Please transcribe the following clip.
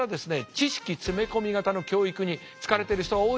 知識詰め込み型の教育に疲れてる人が多いでしょ。